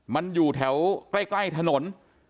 มันอยู่แถวใกล้ถนน